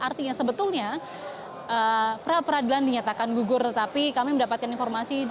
artinya sebetulnya pra peradilan dinyatakan gugur tetapi kami mendapatkan informasi